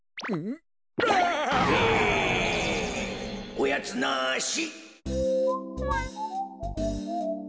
おやつなし。